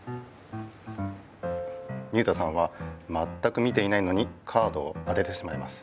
水田さんはまったく見ていないのにカードを当ててしまいます。